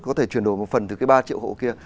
có thể chuyển đổi một phần từ cái ba triệu hộ kia